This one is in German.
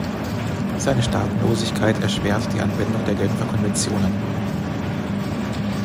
Seine Staatenlosigkeit erschwert die Anwendung der Genfer Konventionen.